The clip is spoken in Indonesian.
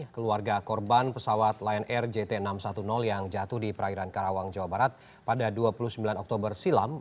keluarga korban pesawat lion air jt enam ratus sepuluh yang jatuh di perairan karawang jawa barat pada dua puluh sembilan oktober silam